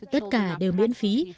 tất cả đều miễn phí